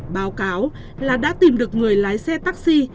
báo cáo là đã tìm được người lái xe taxi